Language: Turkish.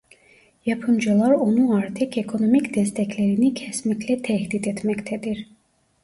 Yapımcılar onu artık ekonomik desteklerini kesmekle tehdit etmektedir.